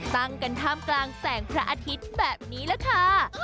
ตั้งกันท่ามกลางแสงพระอาทิตย์แบบนี้แหละค่ะ